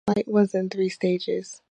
The flight was in three stages.